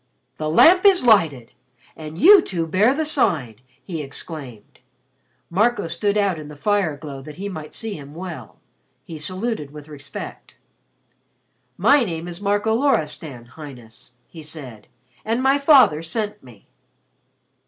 "The Lamp is lighted! And you two bear the Sign!" he exclaimed. Marco stood out in the fire glow that he might see him well. He saluted with respect. "My name is Marco Loristan, Highness," he said. "And my father sent me."